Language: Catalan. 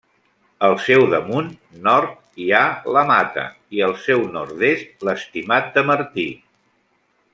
Al seu damunt -nord- hi ha la Mata i al seu nord-est, l'Estimat de Martí.